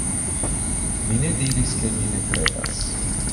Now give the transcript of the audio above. Mi ne diris ke mi ne kredas.